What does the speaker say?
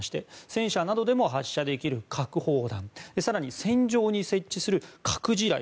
戦車などでも発射できる核砲弾や更に、戦場に設置する核地雷